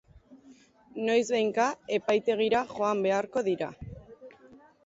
Noizbehinka epaitegira joan beharko dira.